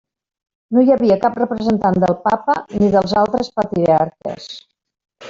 No hi havia cap representant del Papa ni dels altres patriarques.